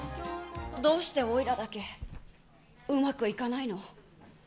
どうしておいらだけ、うまくいかないの？